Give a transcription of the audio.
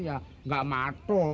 ya gak matok